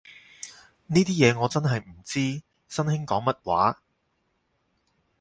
呢啲嘢我真係唔知，新興講乜話